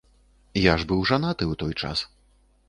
Я ж быў жанаты ў той час.